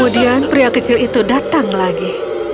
dan perempuan itu datang lagi